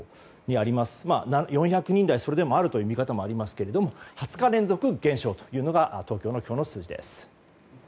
それでも、４００人台あるという見方もありますが２０日連続減少というのが東京の数字です。